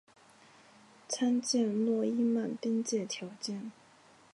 参见诺伊曼边界条件。